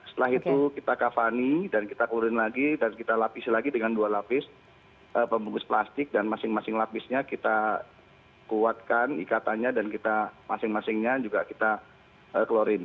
setelah itu kita kavani dan kita klorin lagi dan kita lapisi lagi dengan dua lapis pembungkus plastik dan masing masing lapisnya kita kuatkan ikatannya dan kita masing masingnya juga kita klorin